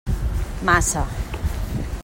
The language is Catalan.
Massa.